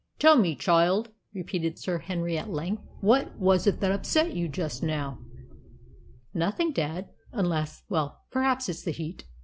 "Tell me, child," repeated Sir Henry at length, "what was it that upset you just now?" "Nothing, dad unless well, perhaps it's the heat.